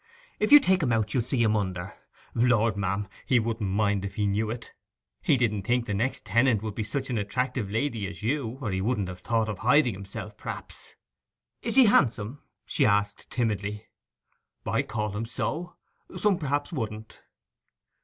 If you take 'em out you'll see him under. Lord, ma'am, he wouldn't mind if he knew it! He didn't think the next tenant would be such an attractive lady as you, or he wouldn't have thought of hiding himself; perhaps.' 'Is he handsome?' she asked timidly. 'I call him so. Some, perhaps, wouldn't.